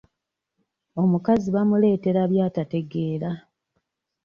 Omukazi bamuleetera by'atategeera.